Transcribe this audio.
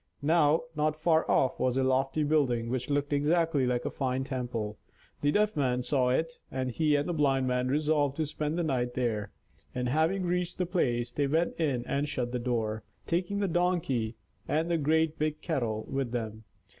Now, not far off was a lofty building, which looked exactly like a fine temple. The Deaf Man saw it, and he and the Blind Man resolved to spend the night there; and having reached the place, they went in and shut the door, taking the Donkey and the great big kettle with them.